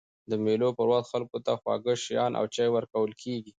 د مېلو پر وخت خلکو ته خواږه شيان او چای ورکول کېږي.